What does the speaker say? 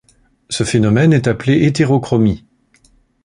Ce phénomène est appelé hétérochromie.